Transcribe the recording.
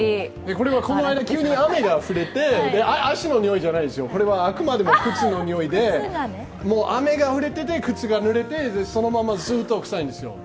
これがこの間、急に、雨が降って足のにおいじゃないですよ、これはあくまでも靴のにおいでもう雨が降ってて靴がぬれてそのままずっとくさいんですよ。